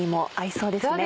そうですね。